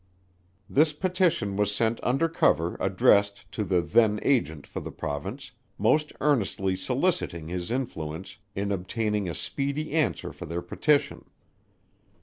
This petition was sent under cover addressed to the then agent for the Province, most earnestly soliciting his influence in obtaining a speedy answer for their petition.